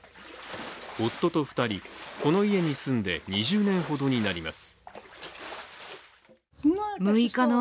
夫と２人、この家に住んで２０年ほどになります。